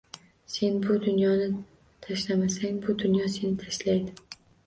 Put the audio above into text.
Sen bu dunyoni tashlamasang, bu dunyo seni tashlaydi.